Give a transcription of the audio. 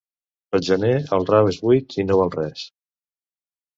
Pel gener el rave és buit i no val res.